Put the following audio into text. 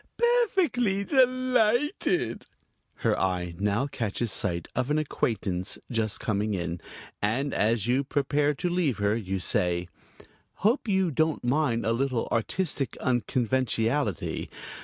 "Perfectly delighted!" Her eye now catches sight of an acquaintance just coming in, and as you prepare to leave her you say: "Hope you don't mind a little artistic unconventionality.